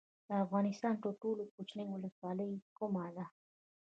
د افغانستان تر ټولو کوچنۍ ولسوالۍ کومه ده؟